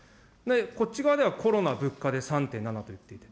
こっち側ではコロナ、物価で３．７といっていた、